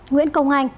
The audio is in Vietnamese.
nguyễn công anh